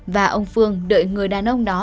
và ông phương đợi người đàn ông đó